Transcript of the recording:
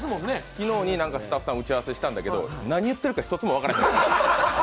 昨日スタッフさん打ち合わせしたんだけど、何言ってるか一つも分からなかった、